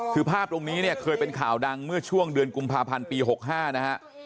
คือภาพตรงนี้เนี่ยเคยเป็นข่าวดังเมื่อช่วงเดือนกุมภาพันธ์ปี๖๕นะฮะ